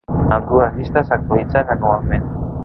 Ambdues llistes s'actualitzen anualment.